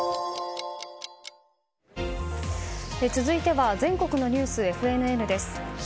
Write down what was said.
続いては全国のニュースＦＮＮです。